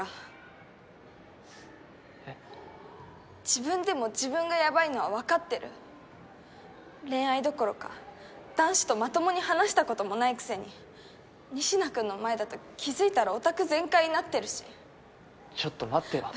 自分でも自分がやばいのはわかってる恋愛どころか男子とまともに話したこともないくせに仁科君の前だと気づいたらオタク全開になってるしちょっと待ってよ